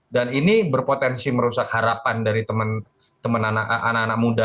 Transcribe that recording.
dan ini berpotensi merusak harapan dari teman teman anak anak muda